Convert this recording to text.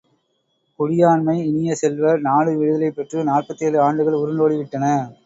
குடியாண்மை இனிய செல்வ, நாடு விடுதலை பெற்று நாற்பத்தேழு ஆண்டுகள் உருண்டோடிவிட்டன.